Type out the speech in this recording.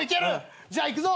じゃあいくぞ。